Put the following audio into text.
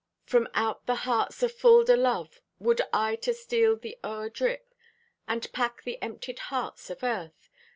From out the hearts afulled o' love Would I to steal the o'er drip And pack the emptied hearts of earth.